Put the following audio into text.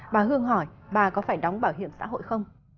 bà hương hỏi bà có phải đóng bảo hiểm xã hội không